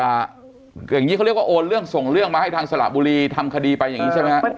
อย่างนี้เขาเรียกว่าโอนเรื่องส่งเรื่องมาให้ทางสระบุรีทำคดีไปอย่างนี้ใช่ไหมฮะ